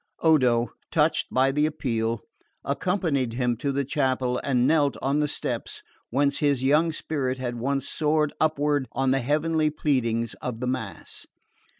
Odo, touched by the appeal, accompanied him to the chapel, and knelt on the steps whence his young spirit had once soared upward on the heavenly pleadings of the Mass.